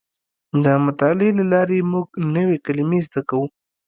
د مطالعې له لارې موږ نوې کلمې زده کوو.